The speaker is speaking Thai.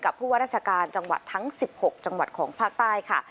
ผู้ว่าราชการจังหวัดทั้ง๑๖จังหวัดของภาคใต้ค่ะ